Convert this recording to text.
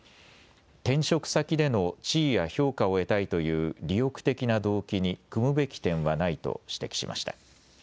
転職先での地位や評価を得たいという利欲的な動機に酌むべき点はないと指摘しました。